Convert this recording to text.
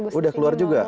udah keluar juga